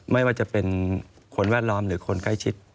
ไม่ว่าจะเป็นคนแวดล้อมหรือคนใกล้ชิด